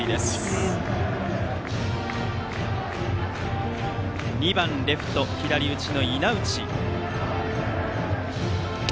バッターは２番レフト左打ちの稲内。